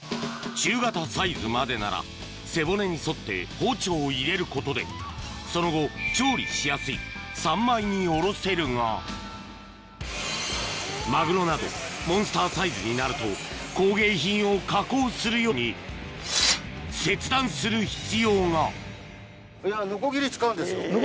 中型サイズまでなら背骨に沿って包丁を入れることでその後調理しやすい三枚におろせるがマグロなどモンスターサイズになると工芸品を加工するように切断する必要がノコギリ使うんですか！